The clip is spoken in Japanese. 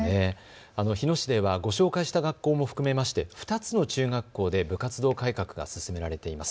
日野市ではご紹介した学校も含めまして２つの中学校で部活動改革が進められています。